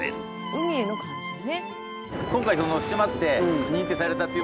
海への関心ね。